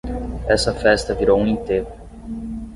Essa festa virou um enterro